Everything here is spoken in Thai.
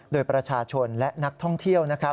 โดยประชาชนและนักท่องเที่ยวนะครับ